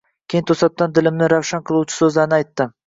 Keyin to’satdan dilimni ravshan qiluvchi so’zlarni aytdi.